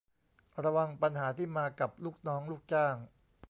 ระวังปัญหาที่มากับลูกน้องลูกจ้าง